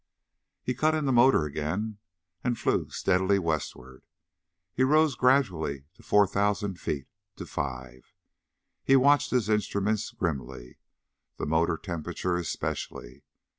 He cut in the motor again and flew steadily westward. He rose gradually to four thousand feet, to five.... He watched his instruments grimly, the motor temperature especially.